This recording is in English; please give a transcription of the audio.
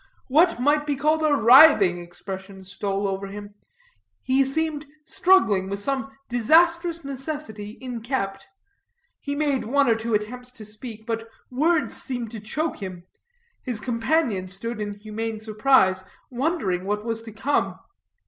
What might be called a writhing expression stole over him. He seemed struggling with some disastrous necessity inkept. He made one or two attempts to speak, but words seemed to choke him. His companion stood in humane surprise, wondering what was to come.